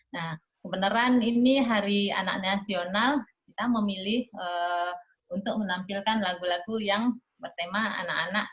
nah kebenaran ini hari anak nasional kita memilih untuk menampilkan lagu lagu yang bertema anak anak